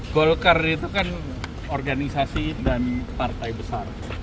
golkar itu kan organisasi dan partai besar